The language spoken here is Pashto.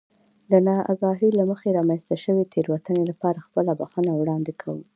د نااګاهۍ له مخې رامنځته شوې تېروتنې لپاره خپله بښنه وړاندې کوم.